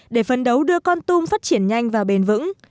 để phấn đấu đưa con tum phát triển nhanh và bền vững